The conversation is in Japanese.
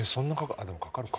あっでもかかるか。